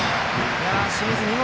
清水、見事！